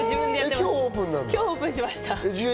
今日オープンしました。